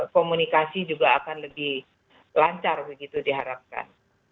komunikasi juga akan lebih lancar begitu diharapkan